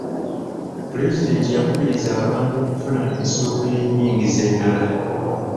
Pulezidenti yakubiriza abantu okufuna ensibuko y'enyingiza endala.